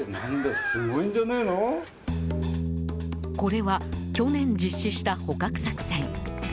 これは去年実施した捕獲作戦。